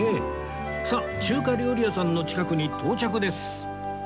さあ中華料理屋さんの近くに到着です